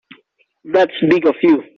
That's big of you.